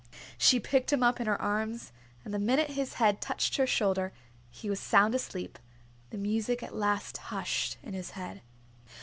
She picked him up in her arms, and the minute his head touched her shoulder he was sound asleep, the music at last hushed in his head.